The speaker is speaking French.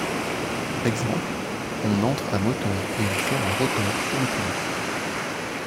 Exemple, on entre à moteur et on sort à rotor sur le Puma.